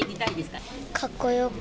かっこよく。